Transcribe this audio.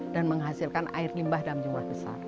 dan menghasilkan air limbah dalam jumlah besar